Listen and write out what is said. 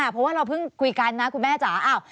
เพราะว่าเราเพิ่งคุยกันนะคุณแม่จ๋า